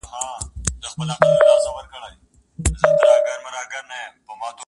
جنگ پر پوستين دئ -عبدالباري جهاني-